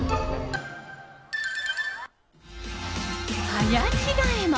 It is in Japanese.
早着替えも！